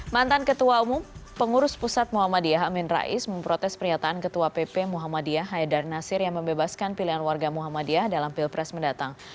mantan ketua umum pengurus pusat muhammadiyah amin rais memprotes pernyataan ketua pp muhammadiyah haidar nasir yang membebaskan pilihan warga muhammadiyah dalam pilpres mendatang